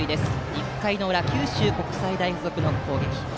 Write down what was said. １回の裏、九州国際大付属の攻撃。